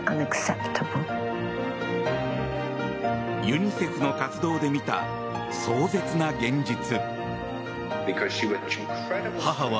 ユニセフの活動で見た壮絶な現実。